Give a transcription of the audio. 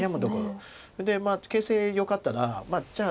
まあ形勢よかったらじゃあ